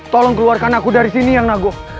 tolong keluarkan aku dari sini yang nago